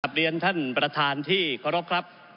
สำหรับเรียนท่านประธานที่กรกครับ